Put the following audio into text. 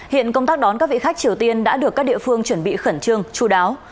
hiện công tác đón các vị khách triều tiên đã được các địa phương chuẩn bị khẩn trương chú đáo